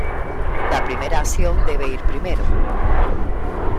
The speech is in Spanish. La primera acción debe ir primero.